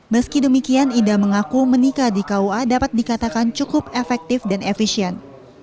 meski demikian ida mengaku menikah di kua dapat dikatakan cukup efektif dan efisien